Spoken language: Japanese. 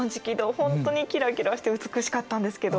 ほんとにキラキラして美しかったんですけど。